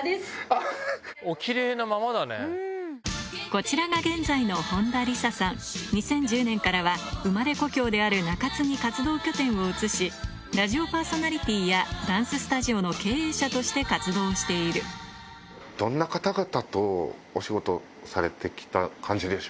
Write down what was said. こちらが現在の２０１０年からは生まれ故郷である中津に活動拠点を移しラジオパーソナリティーやダンススタジオの経営者として活動しているというか。